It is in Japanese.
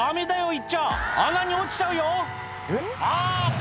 行っちゃ穴に落ちちゃうよあぁ！